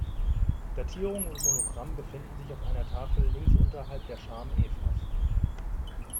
Datierung und Monogramm befinden sich auf einer Tafel links unterhalb der Scham Evas.